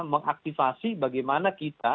mengaktifasi bagaimana kita